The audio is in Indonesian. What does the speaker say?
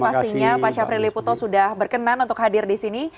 pastinya pak syafri liputo sudah berkenan untuk hadir di sini